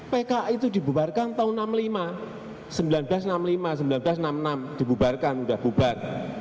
pki itu dibubarkan tahun seribu sembilan ratus enam puluh lima seribu sembilan ratus enam puluh lima seribu sembilan ratus enam puluh enam dibubarkan sudah bubar